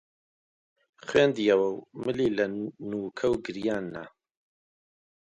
خوێندیەوە و ملی لە نووکە و گریان نا